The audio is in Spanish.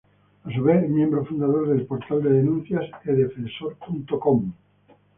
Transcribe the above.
A su vez es miembro fundador del portal de denuncias "e-defensor.com".